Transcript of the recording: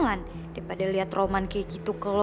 lan daripada liat roman kayak gitu ke lo